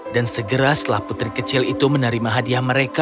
dan segera setelah putri kecil itu menerima hadiah mereka